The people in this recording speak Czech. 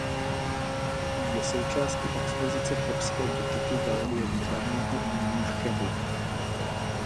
Je součástí expozice chebské gotiky Galerie výtvarného umění v Chebu.